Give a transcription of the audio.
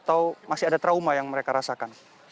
atau masih ada trauma yang mereka rasakan